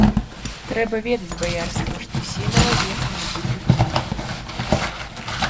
Трэба ведаць, баярства, што сей маладзец мне дужа памог.